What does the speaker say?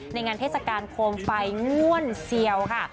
ในงานเทศกาลโคมไฟง่วนเซียวค่ะ